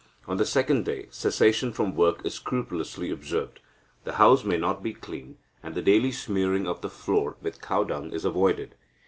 On the second day, cessation from work is scrupulously observed. The house may not be cleaned, and the daily smearing of the floor with cow dung is avoided.